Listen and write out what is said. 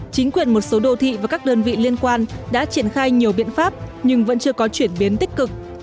chính quyền một số đô thị và các đơn vị liên quan đã triển khai nhiều biện pháp nhưng vẫn chưa có chuyển biến tích cực